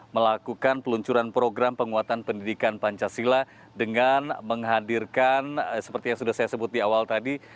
melakukan peluncuran program penguatan pendidikan pancasila dengan menghadirkan seperti yang sudah saya sebut di awal tadi